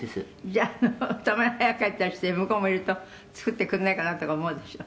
「じゃあたまに早く帰ったりして向こうもいると作ってくれないかなとか思うでしょ？」